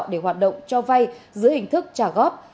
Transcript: để hoạt động cho vay dưới hình thức trả góp